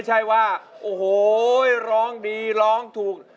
ใช่ว่าโอ้โหร้องดีร้องถูก